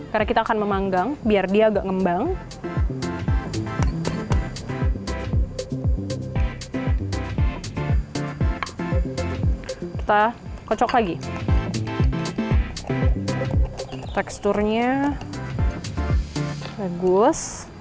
karena kita akan memanggang biar dia agak ngembang kita kocok lagi teksturnya bagus